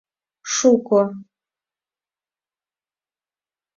— Шуко.